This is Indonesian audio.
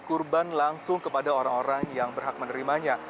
kurban langsung kepada orang orang yang berhak menerimanya